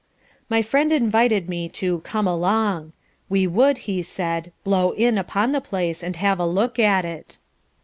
My friend invited me to "come along." We would, he said, "blow in" upon the place and have a look at it.